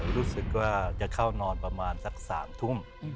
รู้สึกว่าจะเข้านอนประมาณสัก๓ทุ่ม